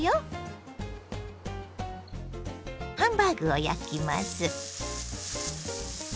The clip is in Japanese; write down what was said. ハンバーグを焼きます。